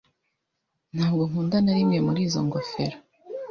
Ntabwo nkunda na rimwe muri izo ngofero.